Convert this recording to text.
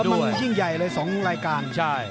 มันยิ่งใหญ่เลย๒รายการ